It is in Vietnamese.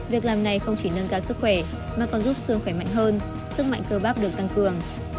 việc làm này không chỉ nâng cao sức khỏe mà còn giúp sương khỏe mạnh hơn sức mạnh cơ bác được tăng cường